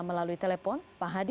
melalui telepon pak hadi